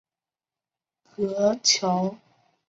格乔是西班牙北部巴斯克自治区比斯开省的城镇。